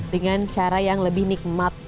dengan cara yang lebih nikmat